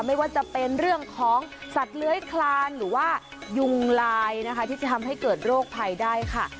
ไม่ว่าจะเป็นเรื่องของสัตว์เลื้อยคลานหรือว่ายุงลายนะคะที่จะทำให้เกิดโรคภัยได้ค่ะ